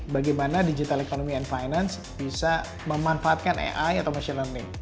bagaimana digital economy and finance bisa memanfaatkan ai atau machine learning